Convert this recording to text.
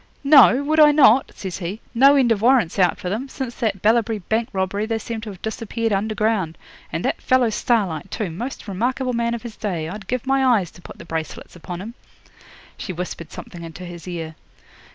'"Know? Would I not?" says he. "No end of warrants out for them; since that Ballabri Bank robbery they seem to have disappeared under ground. And that fellow Starlight, too! Most remarkable man of his day. I'd give my eyes to put the bracelets upon him." 'She whispered something into his ear.